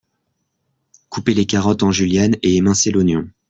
couper les carottes en julienne et émincer l’oignon.